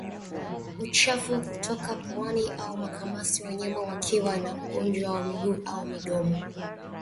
Uchafu kutoka puani au makamasi wanyama wakiwa na ugonjwa wa miguu na midomo